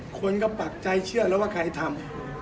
คนก็ปักใจเชื่อแล้วว่าใครทำ